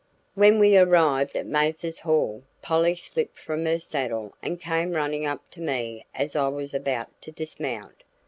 When we arrived at Mathers Hall, Polly slipped from her saddle and came running up to me as I was about to dismount.